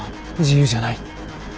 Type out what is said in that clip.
自由じゃない。